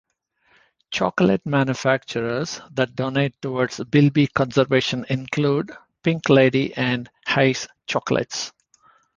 Chocolate manufacturers that donate towards Bilby conservation include Pink Lady and Haigh's Chocolates.